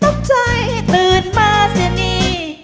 ต้มใจตื่นมาเสียหนี